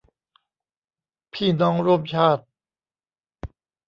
พี่น้องร่วมชาติ